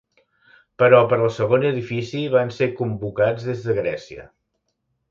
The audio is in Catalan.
Però per al segon edifici van ser convocats des de Grècia.